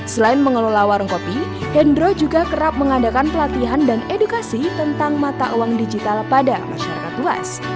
selain mengelola warung kopi hendro juga kerap mengadakan pelatihan dan edukasi tentang mata uang digital pada masyarakat luas